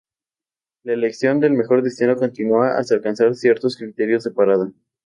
La selección del mejor destino continúa hasta alcanzar ciertos criterios de parada.